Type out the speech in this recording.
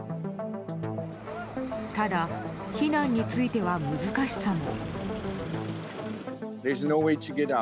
ただ、避難については難しさも。